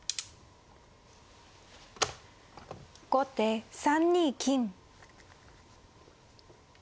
後手３二金。